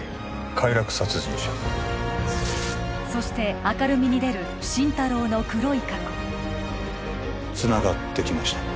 快楽殺人者そして明るみに出る心太朗の黒い過去つながってきましたね